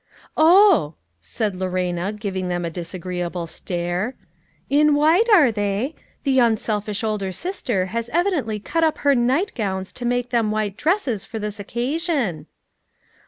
"Oh! " said Lorena, giving them a disagree able stare, " in white, are they ? The unselfish older sister has evidently cut up her nightgowns to make them white dresses for this occasion."